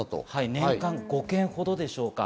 年間５件ほどでしょうか。